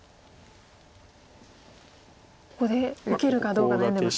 ここで受けるかどうか悩んでますね。